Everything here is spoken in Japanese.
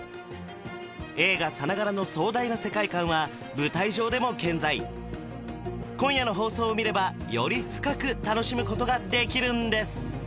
映画さながらの壮大な世界観は舞台上でも健在今夜の放送を見ればより深く楽しむことができるんです